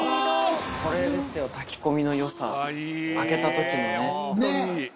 これですよ炊き込みの良さ開けた時のね。